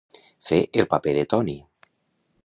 Fer el paper de Toni.